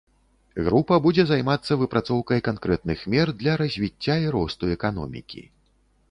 Група будзе займацца выпрацоўкай канкрэтных мер для развіцця і росту эканомікі.